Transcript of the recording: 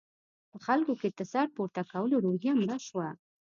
په خلکو کې د سر پورته کولو روحیه مړه شوه.